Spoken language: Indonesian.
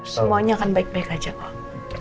semuanya akan baik baik aja kok